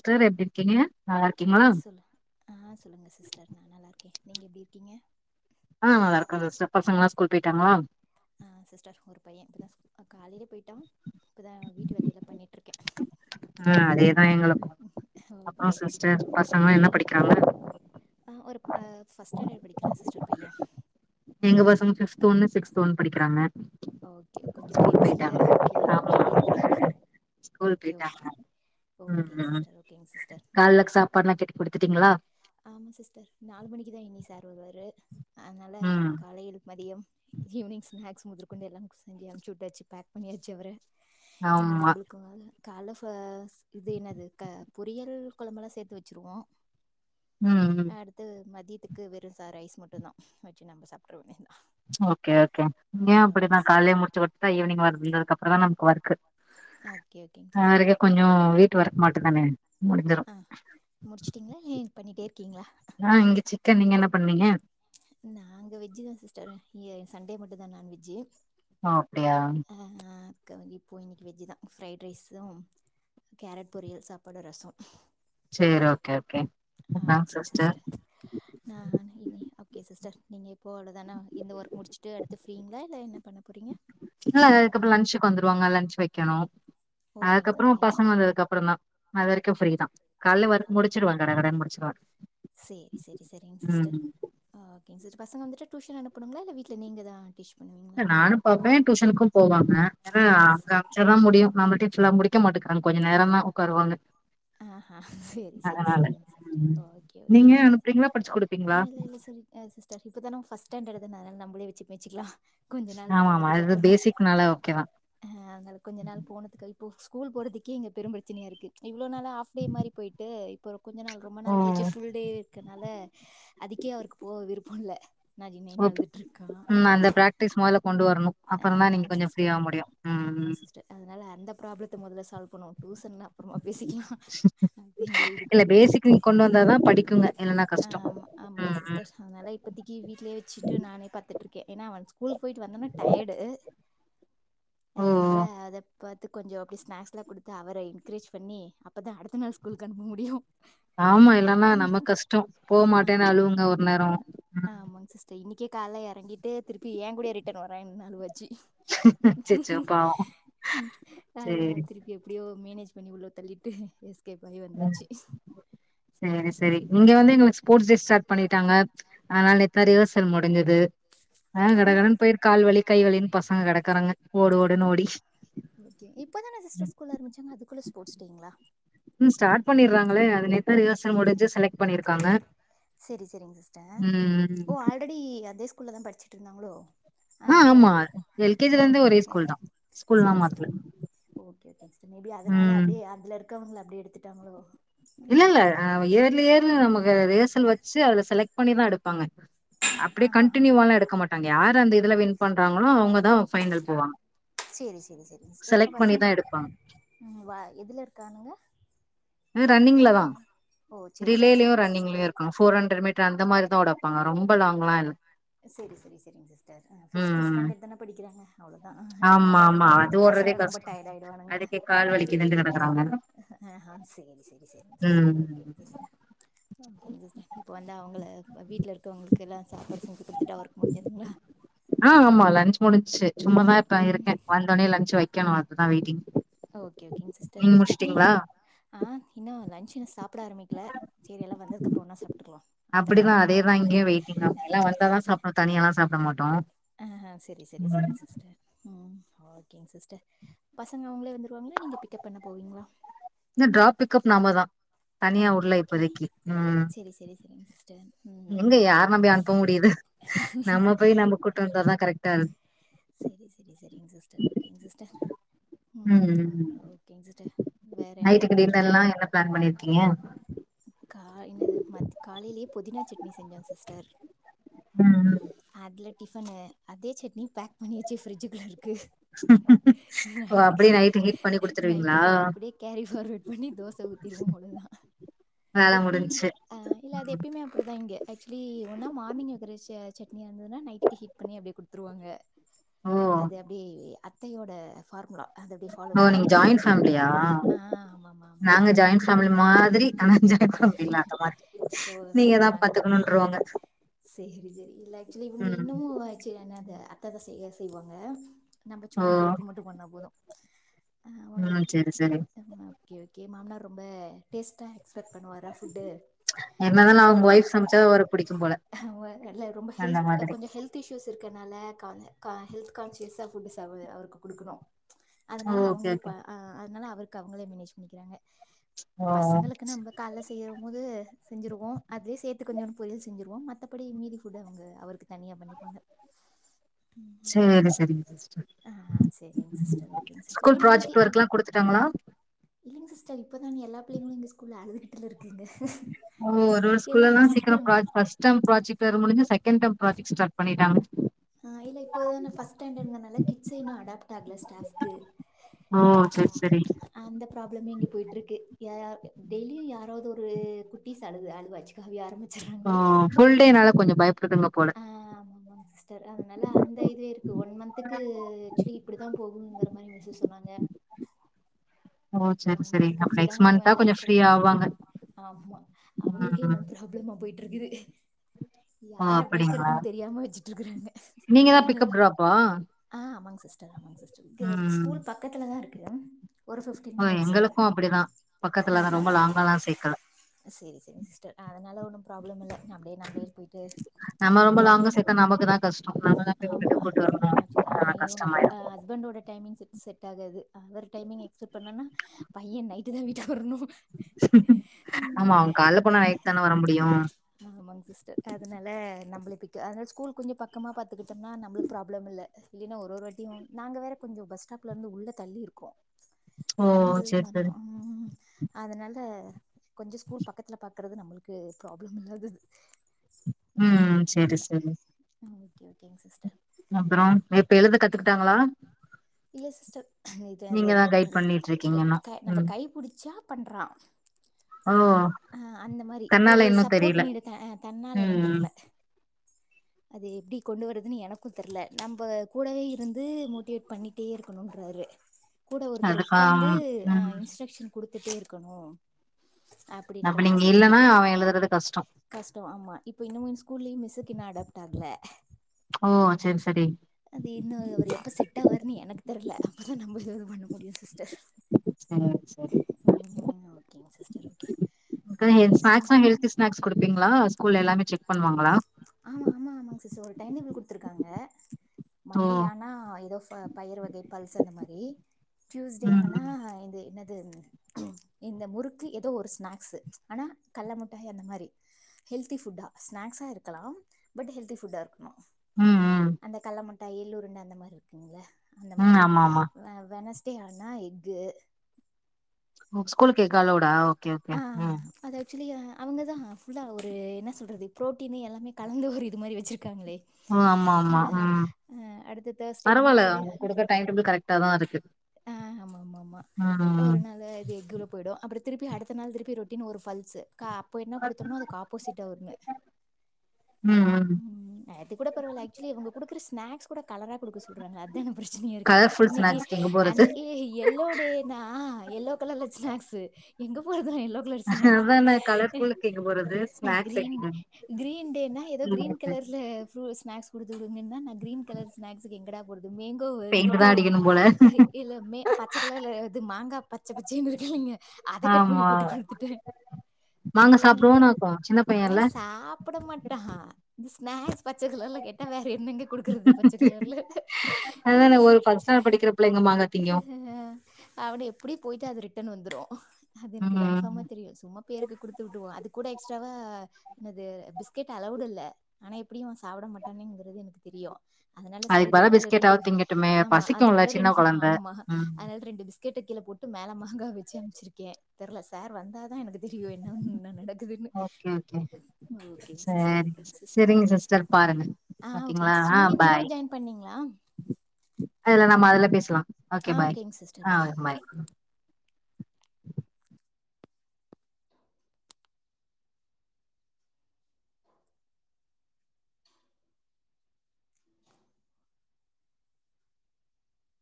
ஸ்டர் எப்டி இருக்கீங்க நல்லா ஆ இருக்கீங்களா சொல்லு ஆ சொல்லுங்க சிஸ்டர் நான் நல்லா இருக்கேன் நீங்க எப்படி இருக்கீங்க ஆ நல்லா இருக்க ரஸ்டர் பசங்களல்லா ஸ்கூல் போய்ட்டாங்களா ஆ சிஸ்டர் ஒரு பையன் இப்டிதா ஸ்கூ காலைலே போய்ட்டா இப்பதா வீட்டு வேலையில பண்ணிட்ருக்கே ஆ அதேதா எங்களுக்கும் அப்றோ சிஸ்டர் பசங்களா என்ன படிக்கிறாங்க அ ஒரு ஃபஸ்ட் ஸ்டாண்டர்ட் படிக்கிறா சிஸ்டர் பைய எங்க பசங்க பிஃப்த் ஒன்னு சிகஸ்த் ஒன்னு படிக்கிறாங்க ஓகே கொஞ்ச பெரிய ஸ்கூல் பசங்க போயிட்டாங்க ஓகே அ ஆமா ஸ்கூல் போயிட்டாங்க ம் ஓகேங்க ம் சிஸ்டர் ஓகேங்க சிஸ்டர் கால்லக் சாப்பாடு எல்லா கட்டி கொடுத்துட்டீங்ளா ஆமா சிஸ்டர் நாலு மணிக்குதா இனி சார் வருவாரு அதனால ம் காலையில் மதியம் ஈவினிங் ஸ்நாக்ஸ் முதற்கொண்டு எல்லா செஞ்சி அனுப்ச்சி விட்டாச்சி பேக் பண்ணியாச்சி அவர இனி ஆமா நம்பளுக்குவாக கால்ல ஃபஸ் இது என்னது க பொரியல் கொழம்பெல்லா சேத்து வச்சிருவோ ம் ம் இது மதியத்துக்கு வெறு ரைஸ் மட்டு தா வச்சு நம்ம சாப்டுற வேண்டி தா ஓகே ஓகே இங்கயு அப்டிதா கால்லயே முடிச்சு கொடுத்துட்டா ஈவினிங் வந்ததுக்கு அப்புற தா நமக்கு ஒர்கு ஓகே ஓகேங்க சிஸ்டர் அவருக்கு கொஞ்ச வீட்டு வொர்க் மட்டுந்தான ஆ முடிச்ட்டிங்களா இல்ல பண்ணிட்டே இருக்கீங்ளா ஆ இங்கிச்சி க நீங்க என்ன பண்ணீங்க நாங்க வெஜ் தா சிஸ்டர் சண்டே மட்டு தா நான்வெஜ்ஜு ஓ அப்டியா அ அக்க வ இப்போ இன்னைக்கு வெஜ் தா ஃப்ரைட் ரைஸும் கேரட் பொரியல் சாப்பாடு ரசொ சேரி ஓகே ஓகே ஆ ஓகேங் சிஸ்டர் ந இனி ஓகே சிஸ்டர் நீங்க இப்போ அவ்ளோதானா இந்த ஒர்க் முடிச்சுட்டு அடுத்து ஃப்ரீங்களா இல்ல என்ன பண்ண போறீங்க இல்ல அதுக்கப்புற லஞ்சுக்கு வந்துருவாங்க லஞ்ச் வைக்கணு ஓகேங்க அதுக்கப்புற ஓகே பசங்க வந்ததுக்கு அப்புற தா அது வரைக்கு ஃப்ரீதா கால்ல வொர்க் முடிச்சிடுவ கடகடன்னு முடிச்சுடுவ சேரி சேரி சரிங் சிஸ்டர் ஆ ஓகேங்க சிஸ் பசங்க வந்துட்டு டுஷன் அனுப்பணுங்ளா இல்ல வீட்ல நீங்க தா டீச் பண்ணுவீங்களா நானு பாப்பே டுஷனுக்கு போவாங்க ஏனா ஸ்- அங்க ச்சா தா முடியு நம்ம டீச் எல்லா முடிக்க மாட்டுகாங்க கொஞ்ச நேரந்தா உக்காருவாங்க ஆ செரி செரி அதனால செரிங்க சிஸ்டர் ம் ஓகே ஓகே நீங்க அனுப்புறீங்களா படிச்சு அ குடுப்பீங்களா இல்ல இல்ல செரி ம் சிஸ்டர் இப்ப தான ஃபஸ்ட் ஸ்டாண்டட் தான அதனால நம்மளே வச்சி மேச்சிக்கலா கொஞ்ச நாள் ஆமா ஆமா போனதுக்கு அது அப்புறோ பேசிக்னால ஓகேதா அ அதனால கொஞ்ச நாள் போனதுக்கு இப்போ ஸ்கூல் போறதுக்கே இங்க பெரு பிரச்சனையா இருக்கு இவ்ளோ நாள ஹாஃப் டே மாரி போயிட்டு இப்போ கொஞ்ச நாள் ரொம்ப நாள் கழிச்சு ஃபுல் டே இருக்கனால அதுக்கே அவருக்கு போக விருப்போல்ல நயி நயினு ஓகே அழுதுட்டு இருக்கா ம் அந்த பிராக்டிஸ் முதல கொண்டு வரணு அப்புற தா நீங்க ஆமாங் கொஞ்ச ஃப்ரீ சிஸ்டர் ஆக முடியு ம் ஆமாங் ம் அதனால அந்த ப்ராப்ளத்த மொதல்ல சால்வ் பண்ணுவோ டுசன்லா அப்புறமா பேசிக்லா அப்டிங்கற இதுக்கு இல்ல வந்தாச்சு பேசிக் நீங்க கொண்டு வந்தாதா படிக்குங்க இல்லன்னா கஷ்டோ ஆமா ஆமாங் ம் ம் சிஸ்டர் அதனால இப்பத்திக்கு வீட்லயே வெச்சுட்டு நானே பாத்துட்டு இருக்கே ஏனா அவன் ஸ்கூலுக்கு போயிட்டு வந் டயடு ஓ அதனால அத பாத்து கொஞ்சோ அப்டி ஸ்னாக்ஸ்லா குடுத்து அவர என்கரேஜ் பண்ணி அப்பதா அடுத்த நாள் ஸ்கூலுக்கு அனுப்ப முடியு ஆமா இல்லன்னா நமக் கஷ்டம் போக மாட்டேன் ஆமா அழுவுங்க ஒரு அது நேரோ அது ஆமாங்க சிஸ்டர் இன்னிக்கே கால்ல எறங்கிட்டு திருப்பி ஏங்கூடயே ரிட்டர்ன் வரான் என்ன அழுவாச்சி அச்சச்சோ பாவோ அதனால சேரி திருப்பி எப்டியோ மேனேஜ் பண்ணி உள்ள தள்ளிட்டு எஸ்கேப் ஆகி வந்தாச்சு சேரி சேரி இங்க வந்து எங்ளுக்கு ஸ்போர்ட்ஸ் டே ஸ்டார்ட் பண்ணிட்டாங்க அதனால நேத் துதா ரிகர்சல் முடிஞ்சது ஆ பசங்க கடகடன்னு போய் கால்வலி கை வலின்னு பசங்க கெடக்குறாங்க ஓடு ஓடுன்னு ஆ ஓடி ஓகே இப்பதான சிஸ்டர் ஸ்கூல் ஆரம்பிச்சாங்க அதுக்குள்ள ஸ்போர்ட்ஸ் டேங்ளா ம் ஸ்டார்ட் பண்ணிர்றாங்களே அது நேத்தே ரிஹர்சல் முடிஞ்சு செலக்ட் பண்ணிருக்காங்க செரி செரிங் சிஸ்டர் ம் ஓ ஆல்ரெடி அதே ஸ்கூல்ல தா படிச்சிட்ருந்தாங்ளோ ஆ ஆமா எல் கே ஜி லேந்தே ஒரே ஓகே ஸ்கூல் தா ஸ்கூல்லா சரி சரி மாத்ல ஓகே ஓகேங் சிஸ்டர் மே பி அதனால அப்டே அதுல இருக்கவங்கள அப்டே எடுத்துட்டாங்ளோ இல்ல இல்ல அ இயர்லி இயர்லி நமக்கு ரிஹர்சல் வச்சு அதுல செலக்ட் பண்ணிதா எடுப்பாங்க ஆ அப்டி ஆ ஆ கண்ட்டினியூவாலா எடுக்க மாட்டாங்க யாரு அந்த இதுல வின் பண்றாங்களோ அவங்க தா ஃபைனல் போவாங்க சரி சரி சரி சிஸ்டர் செலக்ட் பசங்க பண்ணிதா எடுப்பாங்க ம் வ எதுல இருக்கானுங்க இது ப- ரன்னிங்ல தா ஓ சரி சரி ரிலேலயு சரிங்க ரன்னிங்லயு சிஸ்டர் இருக்காங் ஃபோர் ஹன்ட்ரேட் மீட்ரு அந்த மாரிதா ஓட வெப்பாங்க ரொம்ப லாங்லா இல்ல செரி செரி செரிங்க சிஸ்டர் அ ம் ஃபிஃப்த்து ம் ஸ்டண்டர்ட் தான படிக்றாங்க அவ்ளோதா அதுக்கு ஆமா மேல ஆமா ஓட்னாலு அது ஓட்றதே பசங்க ரொம்ப கஷ்டோ டயட் ஆய்டுவானுங்க அதுக்கே கால் வலிக்குதுன்ட்டு கெடக்குறாங்க அ ஹா சேரி சேரி சேரிங்க சிஸ்டர் ம் ஓகேங்க சிஸ்டர் ஓகேங் சிஸ்டர் இப்ப வந்த அவங்கள வீட்ல இருக்கறவங்களுக்குல சாப்பாடு செஞ்சு குடுத்துட்டா ஒர்க் முஞ்சுதுங்ளா ஆ ஆமா லன்ச் முடிஞ்ச்சு சும்மாதா இப்ப நா ம் இருக்கே வந்தோன்னே லன்சு வைக்கணு அதுக்கு தா வெயிட்டிங் ஓகே ஓகேங் சிஸ்டர் நீங்க நீ முடிச்சுட்டீங்களா அ இன்னு லன்ச் இன்னு சாப் ப்ட ஆரம்பிக்கல செரி எல்லா வந்ததுக்கு அப்றோ ஒன்னா சாப்ட்டுக்கலா அத்த மாமா வருவாங்க ஓகேங்ளா எல்லா வந்தா தா சாப்டுவோ தனியாலா சாப்ட மாட்டோ அ ஹ ஹ செரி செரி ம் செரிங் சிஸ்டர் ம் ஓகேங் சிஸ்டர் பசங்க அவங்களே வந்துருவாங்ளா நீங்க பிக்கப் பண்ண போவீங்ளா இந்த ட்ராப் பிக்கப் நாம தா தனியா உட்ல இப்போதைக்கு ம் செரி செரி செரிங் சிஸ்டர் ம் எங்க ம் யாரா நம்பி அனுப்ப முடியுது நம்ம போய் நம்ம கூட்டு வந்தா தா கரெக்டா இருக் செரி செரி செரிங் சிஸ்டர் ஓகேங் சிஸ்டர் ம் ஆ ஓகேங் சிஸ்டர் வேற என்ன நைட்டுக்கு போயிட்ருக்கு டின்னர்ல்லா என்ன பிளான் பண்ணிருக்கிங்க கா என்னது மத் காலைலே பொதினா சட்னி செஞ்சோ சிஸ்டர் ம் அதுல டிஃபனு அதே சட்னி பேக் பண்ணி வச்சு ஃப்ரிட்ஜுக்குள்ள இருக்கு ஓ அப்டியே நைட்டுக்கு நைட்டு ஹீட் பண்ணி குடுத்துருவீங்களா நைட்டுக்கு அத அப்டியே கேரி ஃபார்வேர்ட் பண்ணி தோச ஊத் திருவோ அவ்ள தா வேல எப்பிம் முடிஞ்ச்சு அ இல்ல அது ம். எப்பியுமே அப்டி தா இங்க ஆக்சுவலி ஒன்னா மார்னிங்கு வைக்கிற ச சட்னியா இருந்துதுனா நைட்டுக் ஹீட் பண்ணி அப்டியே குடுத்துருவாங்க ஓ அது அப்டே அத்தையோட ஃபார்முலா அத அப்டே ஃபாலோ ஓ பண்றோ நீங்க ஜாயிண்ட் ஃபேமிலியா ஆ ஆமா ஆமா நாங்க ஆமாங்க ஜாயிண்ட் ஃபேமிலி மாதிரி களஞ்சி எடுக்க முடில அந்த மாரி நீங்கதா பாத்துக்குணு ன்ருவாங்க சேரி சேரி இல்ல ஆக்சுவலி இவங்க இன்னுமு செய்றாங்க அத அத்தைதா செய்ய செய்வாங்க நம்ம ஓ சும்மா ஹெல்ப் மட்டு பண்ண போது ஆமா ம் செரி செரி ஆமா ஓகே ஓகே மாமனார் ரொம்ப டேஸ்ட்டா செலெக்ட் பண்ணுவாரா ஃபுட்டு என்னதாலு அவருக்கு அவங்க கொஞ்சோ ஒய்ஃப் சமைச்சா அவருக்கு புடிக்கும் போல நல்ல ரொம்ப அந்த ஹெல்த மாதிரி கொஞ்சோ ஹெல்த் தீசெஸ் இருக்கனால கவல ஹெல்த் கான்சியஸா ஃபுட்ஸ் அ அவருக்கு குடுக்கணு அதனால ஓகே அவங்களே ஓகே அதனால அவருக்கு அவங்களே மேனேஜ் பண்ணிக்கிறாங்க ஓ பசங்களுக்கு நம்ப கால்ல செய்யும் போது செஞ்சிருவோ அதுவே சேத்து கொஞ்ச பொரியல் செஞ்சிருவோ மத்தபடி மீதி ஃபுட் அவங்க அவருக்கு தனியா பண்ணிப்பாங்க சேரி செரிங்க சிஸ்டர் ஆ செரிங்க சிஸ்டர் ஓகேங்க சிஸ்டர் ஸ்கூல் நீங்க இன்னைக்கு ப்ராஜெக்ட் ஒர்க்ல்லா குடுத்துட்டாங்களா இல்ல சிஸ்டர் இப்ப தா எல்லா பிள்ளைங்களு எங்க ஸ்கூல் அழுதுகிட்டு இருக் இனு ஓ ஒரு ஒரு ஸ்கூல்ல லாம் சீக்க ப்ராஜ் ஃபர்ஸ்ட் ஃபர்ஸ்ட் டெர்ம் ப்ராஜெக்ட் முடிஞ்சு செகண்ட் டெர்ம் ப்ராஜெக்ட் ஸ்டார்ட் பண்ணிட்டாங்க ஆ இல்ல இப்போன் ஃபர்ஸ்ட் ஸ்டாண்டங்கறனால கிச்சன் இன்னு அடாப்ட் ஆகல ஸ்டாஃப்க்கு ஓ செர் செரி அந்த ப்ராப்ளம் இங்க போய்ட்ருக்கு யா டெய்லியு யாராவது ஒரு குட்டீஸ் அழுது அழுவாச்சு காலிய ஆரம்பிச்சுறாங்க ஃபுல்டேனால கொஞ்ச பயப்படுத்துங்க போல ஆமா ஆமா சிஸ்டர் அதனால அந்த இது இருக்கு ஒன் மந்த்துக்கு ஆக்சுவலி இப்டிதா போகுங்ற மாரி மிஸ் சொன்னாங்க ஓ ஒன் செரி மந்த் செரி அப்ப கலுச்சுதா நெக்ஸ்ட் அவ மந்த்தா எல்லா கொஞ்ச ஃப்ரீ செட் ஆவாங்க ஆமா அவங்களுக்கே ம் இன்ன ப்ராப்ளமா போய்ட்டு இருக்குது ஓ யார அப்படிங்களா மேய்கறதுன் தெரியாம வச்சுட்டு இருக்கறாங்க வி நீங்க தா ஒன்னு பிக்கப் ட்ராப்பா ஆ ஆமாங்க சிஸ்டர் ஆமாங்க சிஸ்டர் இங்க ம் ஸ்கூல் பக்கத்துலதா இருக்கு ஒரு ஃபிஃப் டென் ஓ மினிட்ஸு எங்களுக்கு அப்படிதா ஆ பக்கத்துல தா ஹா ரொம்ப ஹா லாங்காலா சேக்கல செரி செரி சிஸ்டர் அதனால ஒன்னு ப்ராப்ளம் இல்ல நம்ளயே நம்ளயே போய்ட்டு நம்ம ரொம்ப லாங்கா ப்ராகு சேத்தா நமக்கு தா கஷ்ட நம்ம தா போய் விட்டுட்டு ஆமா கூட்டு வரணு அச்சு அதா இவங்க அப்பா கஷ்டமாயிரு அ ஹஸ்பண்டோட டைமிங்ஸு செட் ஆகாது அவரு டைமிங் எக்செப்ட் பண்ணனா பையன் நைட்டுதா வீட்டுக் வரணு ஆமா அவ கால்ல போனா நைட்டு தான வர முடியு ஆமங்க சிஸ்டர் அதனால நம்பளுக்கு அதனால ஸ்கூல் கொஞ்சோ பக்கமா பாத்துக்கிட்டோம்னா நம்மளுக்கு ப்ராப்ளம் இல்ல இல்லன்னா ஒரு ஒரு வாட்டியு நாங்க வேற கொஞ்சோ பஸ் ஸ்டாப்ல இருந்து உள்ள தள்ளி இருக்கோ ஓ நடந்தது செரி செரி வரணு ம் அதனால கொஞ்சோ ஸ்கூல் பக்கத்துல பாக்குறது நம்மளுக்கு ப்ராப்ளம் இல்லாதது ம் சரி சரி ம் ஓகே ஓகேங்க சிஸ்டர் அப்பற இப்ப எழுத கத்துக்கிட்டாங்களா இல்ல சிஸ்டர் இது நீங்க அது தா கைட் பண்ணிட்டு இருக்கீங்க இன்னு அ நம்ம ம் கை புடிச்சா பண்றா ஓ அ அந்த மாரி தன்னால ஒரு இன்னு சப்போர்ட் தெரியல நீட் தன்னால என்னன் ம் தெர்ல அது எப்டி கொண்டு வரறதுன்னு எனக்கு தெர்ல நம்ப கூடவே இருந்து மோட்டிவேட் பண்ணிட்டே இருக்கணுன்றாரு கூட ஒருத்தர் அதுக்கா உக்காந்து அ ம் இன்ஸ்ட்ரக்க்ஷன் குடுத்துட்டே இருக்கணு அப் அப்ப நீங்க இல்லனா அவன் எழுதறது கஷ்ட கஸ்ட ஆமா இப்ப இன்னு ஸ்கூல்லயு மிஸ்ஸுக்கின்னு அடாப்ட் ஆகல ஓ சரி சரி அது இன்னு அவர் எப்ப செட் ஆவார்ன்னு எனக்கு தெரியல அப்பதா நம்ம எதாவது பண்ண முடியு சிஸ்டர் செரி உம் உம் ஓகேங்க சிஸ்டர் ஓகே செரி கெஸ்டு ஸ்நாக்ஸ்லா ஹெல்தி ஸ்நாக்ஸ் குடுப்பீங்களா ஸ்கூல்ல எல்லாமே செக் பண்ணுவாங்களா ஆமா ஆமா ஆமாங்க சிஸ்டர் ஒரு டைம் டேபிள் குடுத்துருக்காங்க ஓ மண்டே ஆனா ஏதோ பயிரு வகை பல்ஸ் அந்த மாரி டியூஸ்டே ம் ஆனா இது என்னது இந்த முறுக்கு ஏதோ ஒரு ஸ்நாக்ஸ்ஸு ஆனா கடல முட்டாய் அந்த மாரி ஹெல்தி ஃபுட்டா ஸ்நாக்ஸா இருக்கலாம் பட் ஹெல்தி ஃபுட்டா இருக்கணு ம் ம் அந்த கடல முட் டாய் எள்ளுருன்ட அந்த மாரி இருக்குங்கள அந்த ம் மாரி ஆமா ஆமா வெனஸ்டே ஆனா எக்கு ம் ஸ்கூல் கேக்க அலோடா ஓகே ஓகே ஆ ம் அது அக்சுவலி அவுங்க தா ஃபுல்லா ஒரு என்ன சொல்றது ப்ரோட்டீனு எல்லாமே கலந்து ஒரு இது மாதிரி வச்சுருக்காங்களே ஓ ஆமா ஆ ஆமா ஆ ம் அ அடுத்து தேர்ஸ்டே ஒண்ணு பரவால்ல ஃப்ரைடே அவங்க ஒண்ணு குடுக்க டைம் டேபிள் கரெக்டா தா இருக்கு அ ஆமா ஆமா ஆமா ம் ஒரு நாளு இது எக் போய்டும் அப்ப திருப்பி அடுத்த நாள் திருப்பி ரொட்டின்னு ஒரு பல்ஸ்ஸு கா இப்ப என்ன குடுத்தோம்னா அதுக்கு ஆப்போசிட்டா வருவே ம் ம் உம் உம் அது கூட பரவால அக்சுவ்லி இவுங்க குடுக்குற ஸ்னாக்ஸ் கூட கலரா குடுக்க சொல்றாங்கள அதா பிரச்சனையா இருக்கு கலர்ஃபுல் இன்னைக்கு ஸ்நாக்ஸ்க்கு எங்க போறது ஏ எல்லோ டேதா எல்லோ கலர்ல ஸ்நாக்ஸ்ஸு எங்க போறது நா எல்லோ கலர் ஸ்நாக்ஸுக்கு அதான கலர்ஃபுல் கேக்க போறது ஸ்நாக்ஸ் கிரீன் டே வைக்கனு கிரீன் டேனா ஏதோ கிரீன் ரெட் கலர்ல ஃப்ரூ ஸ்நாக்ஸ் குடுத்து உடுங்கன்னா நா கிரீன் கலர் ஸ்நாக்ஸுக்கு எங்கடா போறது மேங்கோ பெயிண்ட் வந்துட்டு தா அடிக்கணு போல எல்லாமே பச்சகலர்ல இது மாங்கா பச்ச பச்சைன்னு இருக்குலைங்க அத கட் பண்ணி ஆமா போட்டு குடுத்துட்டே மாங்கா இதே மாரிக்க சாப்டுவோனு இருக்கு சின்ன இல்ல பையன்ல சாப்பிட மாட் ட்டா இந்த ஸ்நாக்ஸ் பச்ச கலர்ல கேட்டா வேற என்னங்க குடுக்குறது பச்ச கலர்ல அதான ஒரு ஃபர்ஸ்ட் ஸ்டன்டர் படிக்கரப் பிள்ளைங்க மக அவனை எப்படி போயிட்டு அது ரிட்டன் வந்துரும் அது எனக்கு ம் கன்ஃபாமா தெரியு சும்மா பேருக்கு குடுத்து விட்ருவோ அது கூட எக்ஸ்ட்ராவா என்னது பிஸ்கெட் அலவுடு இல்ல ஆனா எப்டியும் அவன் சாப்பிட மாட்டானுங்கிறது எனக்கு தெரியும் அதனால அதுக்கு சைடுல பதிலா கீழ ரெண்டு பிஸ்கெட்டாவது திங்கட்டுமே ஆமா பசிக்குல்ல அதனால ரெண் சின்ன கொழந்த ஆமா ம் அதாவது ரெண்டு பிஸ் கெட்டு கீழ போட்டு மேல மாங்கா வச்சு அனுப்ச்சிருக்கே தெர்ல சார் வந்தாதா எனக்கு தெரியு என்ன என்ன நடக்குதுன்னு ஓகே ஓகே சேரி செரிங்க சிஸ்டர் பாருங்க ஆ ஓகேங்களா ஓகேங்க சிஸ் ஆ நீங்க நியூவா பாய் ஜாயின் பண்ணீங்களா அதுல நம்ம அதுல பேசலாம் ஓகே ஆ பாய் ஓகேங் சிஸ்டர் ஆ பாய்